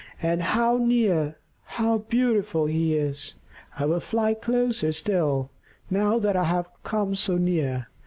And how near, how beautiful he is! I will fly closer still, now that I have come so near.